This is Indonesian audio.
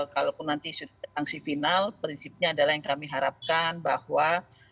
kalaupun nanti sanksi final prinsipnya adalah yang kami harapkan bahwa